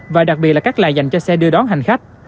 và đặc biệt là các là dành cho xe đưa đón hành khách